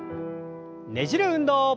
ねじる運動。